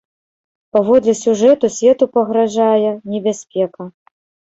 Паводле сюжэту, свету пагражае небяспека.